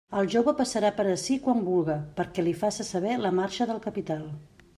El jove passarà per ací quan vulga, perquè li faça saber la marxa del capital.